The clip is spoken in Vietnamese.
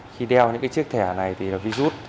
khi đeo những chiếc thẻ này thì là virus